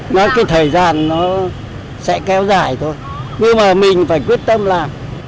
nó cái thời gian nó sẽ kéo dài thôi nhưng mà mình phải quyết tâm làm